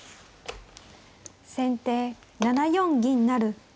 先手７四銀成。